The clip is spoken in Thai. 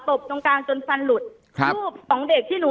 แต่คุณยายจะขอย้ายโรงเรียน